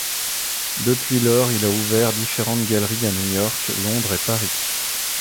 Depuis lors il a ouvert différentes galeries à New York, Londres et Paris.